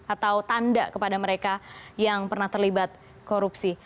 atau tanda kepada mereka yang pernah terlibat korupsi